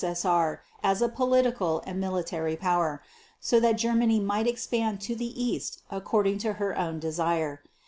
S.S.R. as a political and military power, so that Germany might expand to the east according to her own desire.